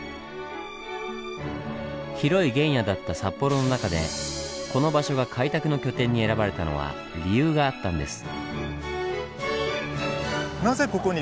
広い原野だった札幌の中でこの場所が開拓の拠点に選ばれたのは理由があったんです。